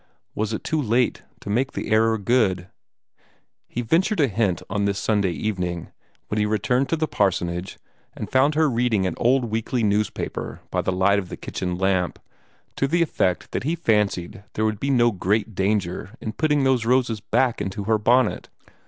Was it too late to make the error good? He ventured a hint on this Sunday evening, when he returned to the parsonage and found her reading an old weekly newspaper by the light of the kitchen lamp, to the effect that he fancied there would be no great danger in putting those roses back into her bonnet.